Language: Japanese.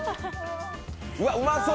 うわっ、うまそう！